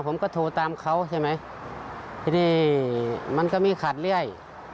ผมก็โทรตามเขาใช่ไหมทีนี้มันก็มีขาดเรื่อย